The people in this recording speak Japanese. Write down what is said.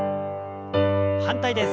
反対です。